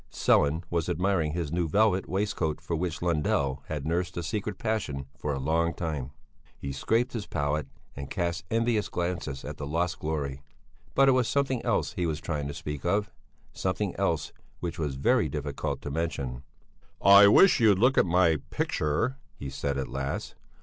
Sellén was admiring his new velvet waistcoat for which Lundell had nursed a secret passion for a long time. He scraped his palette and cast envious glances at the lost glory. But it was something else he was trying to speak of; something else, which was very difficult to mention. "I wish you'd look at my picture," he said at last.